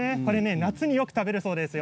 夏によく食べるそうですよ。